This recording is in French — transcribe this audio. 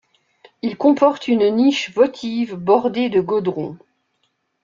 Il comporte une niche votive bordée de godrons.